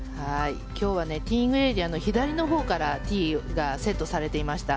今日はティーイングエリアの左のほうからティーがセットされていました。